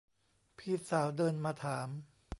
พี่สาวเดินมาถาม